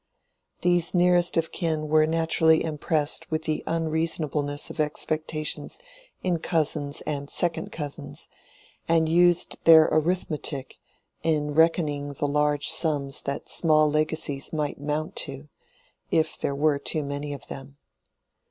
These nearest of kin were naturally impressed with the unreasonableness of expectations in cousins and second cousins, and used their arithmetic in reckoning the large sums that small legacies might mount to, if there were too many of them.